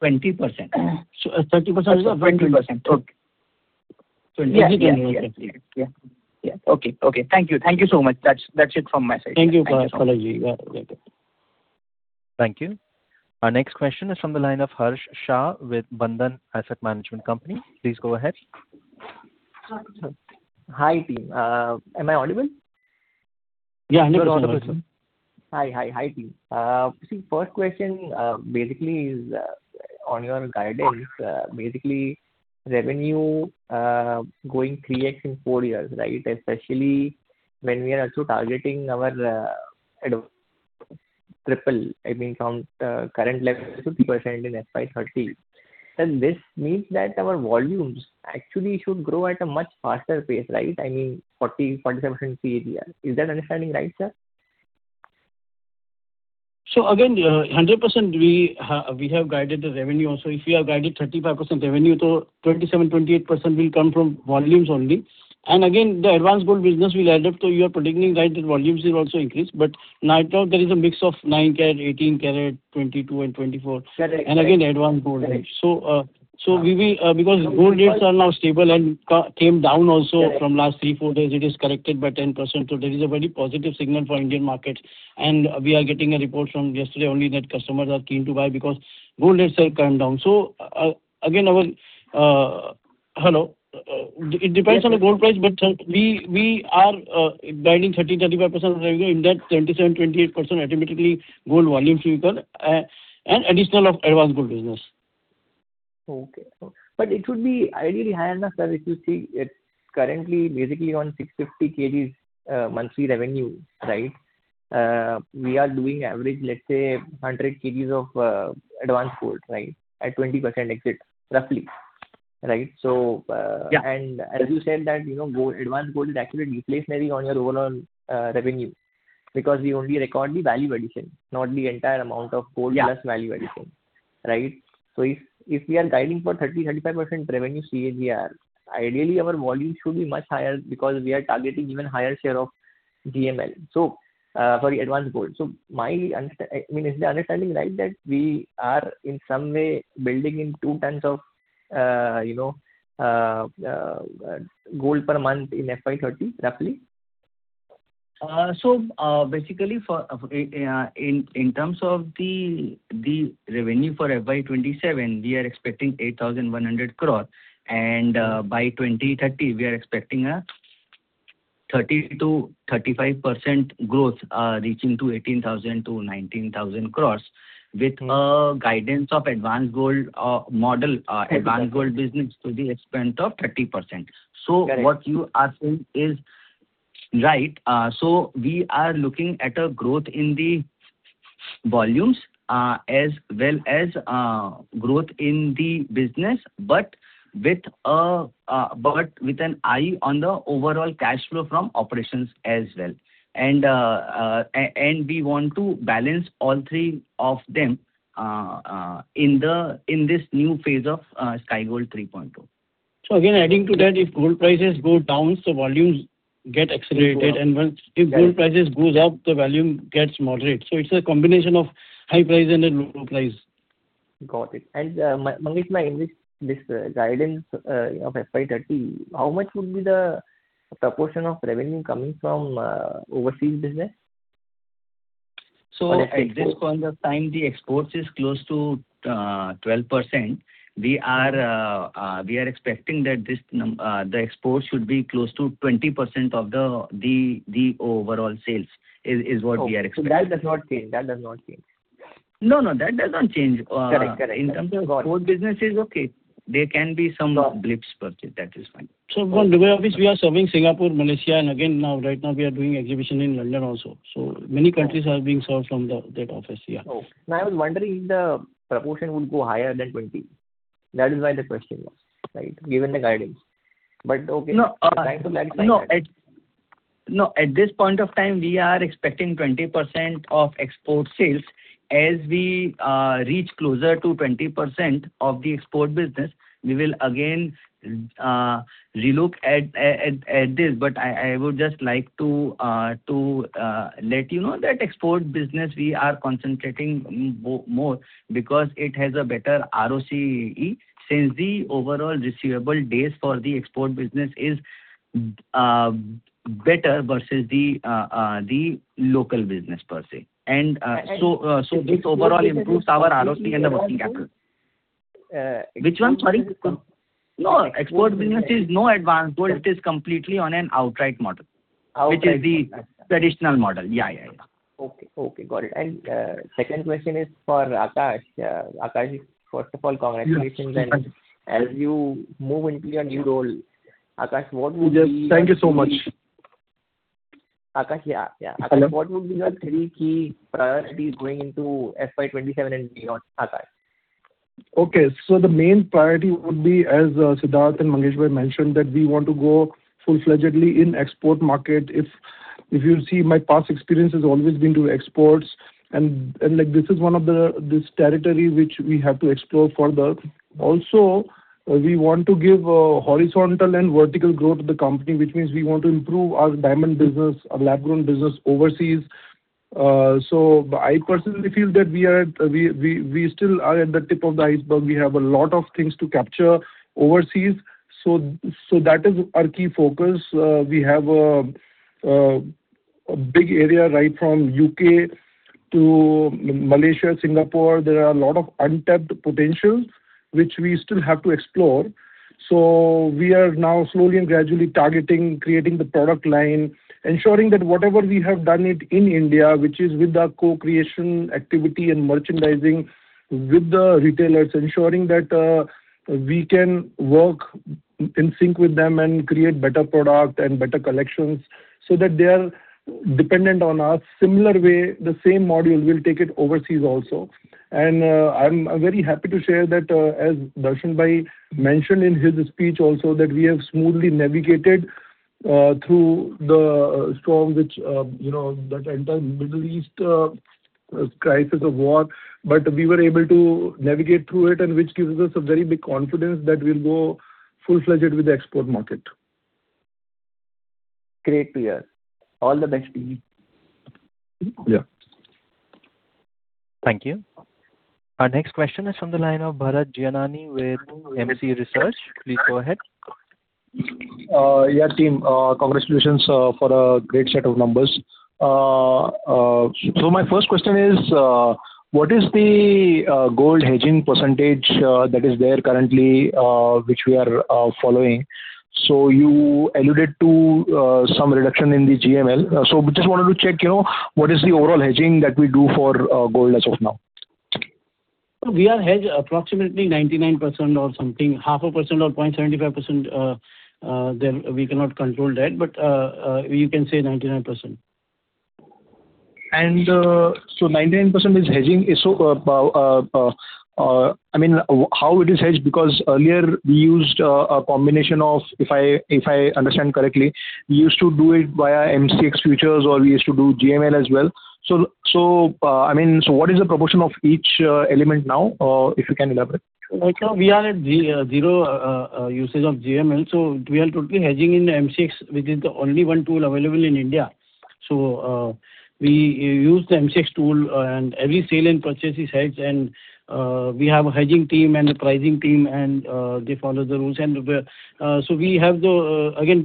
20%. 30% 20%. Okay. 20. Yeah. Okay. Thank you so much. That's it from my side. Thank you, Kawale. Welcome. Thank you. Our next question is from the line of Harsh Shah with Bandhan Asset Management Company. Please go ahead. Hi, team. Am I audible? Yeah. 100% You are audible, sir. Hi, team. First question is on your guidance. Revenue going 3x in 4 years, right? Especially when we are also targeting our triple, I mean, from the current level to 3% in FY 2030. This means that our volumes actually should grow at a much faster pace, right? I mean, 40%-47% CAGR. Is that understanding right, sir? Again, 100% we have guided the revenue also. If we have guided 35% revenue, 27%-28% will come from volumes only. Again, the advanced gold business will add up. You are predicting right that volumes will also increase, but right now there is a mix of 9KT, 18KT, 22KT and 24KT. Correct. again, advanced gold. Correct. Because gold rates are now stable and came down also. Correct From last three, four days, it is corrected by 10%. There is a very positive signal for Indian market, and we are getting a report from yesterday only that customers are keen to buy because gold rates have come down. Again, our Hello. It depends on the gold price, but sir, we are guiding 30%-35% revenue. In that, 27%-28% automatically gold volumes will come and additional of advanced gold business. Okay. It should be ideally higher enough, sir. If you see it currently basically on 650 kgs monthly revenue. We are doing average, let's say, 100 kgs of advanced gold at 20% exit, roughly. Right? Yeah. As you said that advanced gold is actually discretionary on your overall revenue because we only record the value addition, not the entire amount of gold. Yeah plus value addition. Right? If we are guiding for 30%-35% revenue CAGR, ideally our volume should be much higher because we are targeting even higher share of GML. Sorry, advanced gold. Is my understanding right that we are in some way building in 2 tons of gold per month in FY 2030, roughly? In terms of the revenue for FY 2027, we are expecting 8,100 crore, and by 2030, we are expecting a 30%-35% growth, reaching to 18,000 crore-19,000 crore with a guidance of advanced gold model. Exactly advanced gold business to the extent of 30%. Correct. What you asking is right. We are looking at a growth in the volumes, as well as growth in the business, but with an eye on the overall cash flow from operations as well. We want to balance all three of them in this new phase of Sky Gold 3.0. Again, adding to that, if gold prices go down, so volumes get accelerated. Go up. Once if gold prices goes up, the volume gets moderate. It's a combination of high price and a low price. Got it. Mangesh, this guidance of FY 2030, how much would be the proportion of revenue coming from overseas business, or export? At this point of time, the exports is close to 12%. We are expecting that the exports should be close to 20% of the overall sales, is what we are expecting. That does not change. No. That does not change. Correct. Got it. In terms of gold business is okay. There can be some blips per se. That is fine. From Dubai office, we are serving Singapore, Malaysia, and again, now right now we are doing exhibition in London also. Many countries are being served from that office. Yeah. No. I was wondering if the proportion would go higher than 20%. That is why the question was, given the guidance. Okay. No. Trying to clarify that. No. At this point of time, we are expecting 20% of export sales. As we reach closer to 20% of the export business, we will again relook at this. I would just like to let you know that export business, we are concentrating more because it has a better ROCE since the overall receivable days for the export business is better versus the local business, per se. This overall improves our ROCE and the working capital. Export business. Which one, sorry? No. Export business is no Advance Authorisation Scheme. It is completely on an outright model. Outright. Which is the traditional model. Yeah. Okay. Got it. Second question is for Akash. Akash, first of all, congratulations. Thank you. As you move into your new role, Akash, what would be? Yes. Thank you so much. Akash, yeah. Hello. Akash, what would be your three key priorities going into FY 2027 and beyond, Akash? Okay. The main priority would be, as Siddharth and Mangesh mentioned, that we want to go full-fledged in export market. If you see my past experience has always been to exports, this is one of this territory which we have to explore further. We want to give horizontal and vertical growth to the company, which means we want to improve our diamond business, our lab-grown business overseas. I personally feel that we still are at the tip of the iceberg. We have a lot of things to capture overseas. That is our key focus. We have a big area right from U.K. to Malaysia, Singapore. There are a lot of untapped potential, which we still have to explore. We are now slowly and gradually targeting, creating the product line, ensuring that whatever we have done it in India, which is with the co-creation activity and merchandising with the retailers, ensuring that we can work in sync with them and create better product and better collections so that they are dependent on us. Similar way, the same model will take it overseas also. I'm very happy to share that, as Darshan mentioned in his speech also, that we have smoothly navigated through the storm, that entire Middle East crisis of war, but we were able to navigate through it, and which gives us a very big confidence that we'll go full-fledged with the export market. Great to hear. All the best, team. Yeah. Thank you. Our next question is from the line of Bharat Gianani with Moneycontrol Pro. Please go ahead. Yeah, team. Congratulations for a great set of numbers. My first question is, what is the gold hedging percentage that is there currently which we are following? You alluded to some reduction in the GML. Just wanted to check, what is the overall hedging that we do for gold as of now? We hedge approximately 99% or something, half a percent or 0.75%, we cannot control that, but you can say 99%. 99% is hedging. How it is hedged, because earlier we used a combination of, if I understand correctly, we used to do it via MCX Futures or we used to do GML as well. What is the proportion of each element now, if you can elaborate? Right now we are at zero usage of GML, so we are totally hedging in MCX, which is the only one tool available in India. We use the MCX tool and every sale and purchase is hedged, and we have a hedging team and a pricing team, and they follow the rules. Again,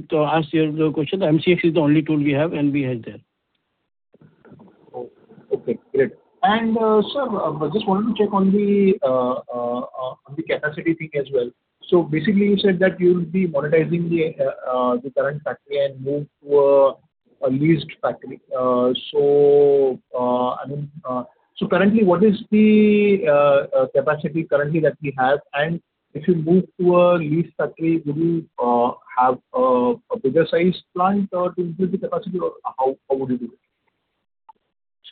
to answer your question, MCX is the only tool we have, and we hedge there. Okay, great. Sir, just wanted to check on the capacity thing as well. You said that you will be monetizing the current factory and move to a leased factory. Currently, what is the capacity currently that we have? If you move to a leased factory, would you have a bigger sized plant or to increase the capacity, or how would you do that?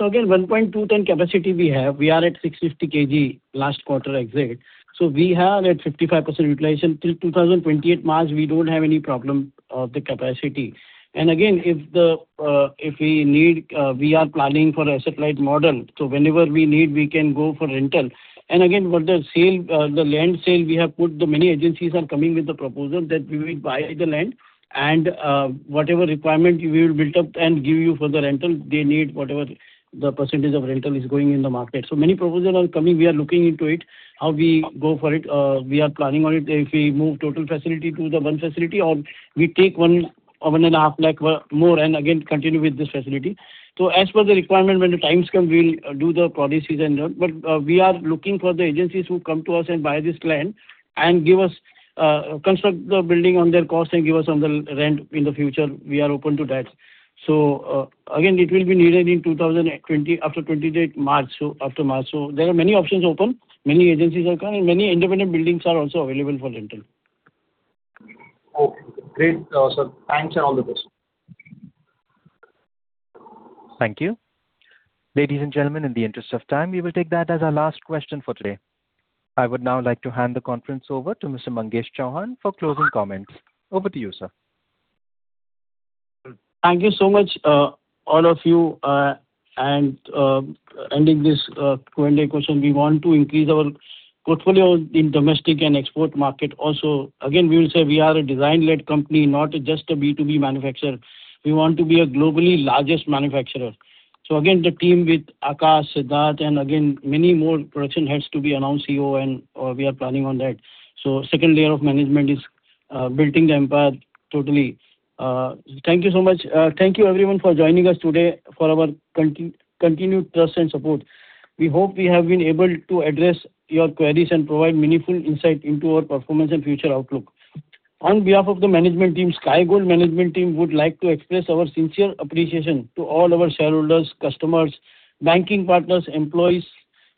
Again, 1,210 capacity we have. We are at 650 kg last quarter exit. We have at 55% utilization. Till 2028 March, we don't have any problem of the capacity. Again, if we need, we are planning for a satellite model, whenever we need, we can go for rental. Again, for the land sale, we have put the many agencies are coming with the proposal that we will buy the land and whatever requirement we will build up and give you for the rental, they need whatever the percentage of rental is going in the market. Many proposals are coming. We are looking into it, how we go for it. We are planning on it. If we move total facility to the one facility, or we take 1.5 lakh more, again, continue with this facility. As per the requirement, when the times come, we'll do the policies and that, but we are looking for the agencies who come to us and buy this land and construct the building on their cost and give us on the rent in the future. We are open to that. Again, it will be needed after 2028 March, so after March. There are many options open. Many agencies have come, and many independent buildings are also available for rental. Okay, great, sir. Thanks and all the best. Thank you. Ladies and gentlemen, in the interest of time, we will take that as our last question for today. I would now like to hand the conference over to Mr. Mangesh Chauhan for closing comments. Over to you, sir. Thank you so much all of you. Ending this Q&A question, we want to increase our portfolio in domestic and export market also. Again, we will say we are a design-led company, not just a B2B manufacturer. We want to be a globally largest manufacturer. Again, the team with Akash, Siddharth, and again, many more production heads to be announced, CEO, and we are planning on that. Second layer of management is building the empire totally. Thank you so much. Thank you everyone for joining us today, for your continued trust and support. We hope we have been able to address your queries and provide meaningful insight into our performance and future outlook. On behalf of the management team, Sky Gold management team would like to express our sincere appreciation to all our shareholders, customers, banking partners, employees,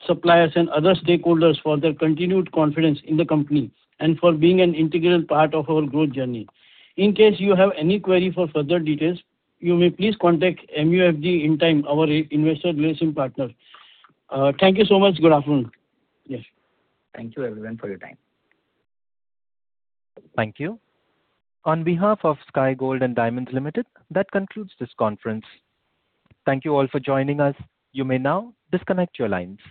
suppliers, and other stakeholders for their continued confidence in the company and for being an integral part of our growth journey. In case you have any query for further details, you may please contact MUFG Intime, our investor relation partner. Thank you so much. Good afternoon. Yes. Thank you everyone for your time. Thank you. On behalf of Sky Gold & Diamonds Limited, that concludes this conference. Thank you all for joining us. You may now disconnect your lines.